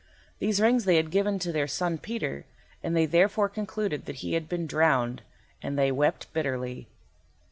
These rings they had given to their son Peter, and they therefore concluded that he had been drowned, and they wept bitterly.